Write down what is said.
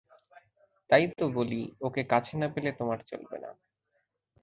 তাই তো বলি, ওকে কাছে না পেলে তোমার চলবে না।